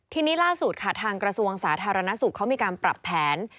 ทีนี้ล่าสุดค่ะทางกระทรวงสาธารณสุขเขามีการปรับแผน